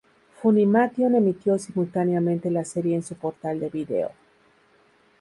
Funimation emitió simultáneamente la serie en su portal de video.